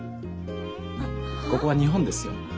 ここは日本ですよ。